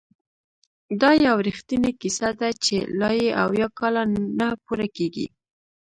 دا یو رښتینې کیسه ده چې لا یې اویا کاله نه پوره کیږي!